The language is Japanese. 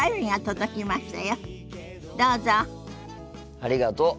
ありがとう。